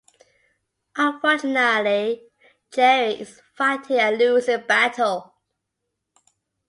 Unfortunately, Jerry is fighting a losing battle.